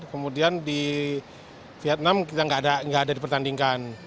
kemudian di vietnam kita gak ada di pertandingan